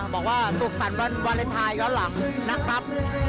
บอกว่าสุขฝันวันเวลาหลังนะครับ